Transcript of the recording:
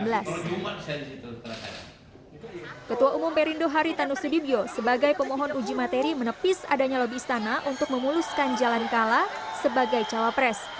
ketua umum perindo haritanu sudibyo sebagai pemohon uji materi menepis adanya lobi istana untuk memuluskan jalan kala sebagai cawapres